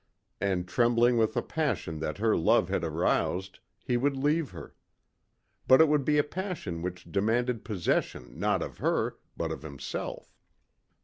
And, trembling with a passion that her love had aroused, he would leave her. But it would be a passion which demanded possession not of her but of himself.